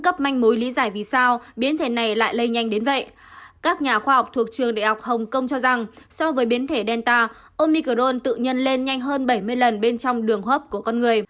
các nhà khoa học thuộc trường đại học hồng kông cho rằng so với biến thể delta omicrone tự nhiên lên nhanh hơn bảy mươi lần bên trong đường hấp của con người